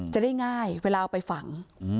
จะได้ง่ายเวลาเอาไปฝัง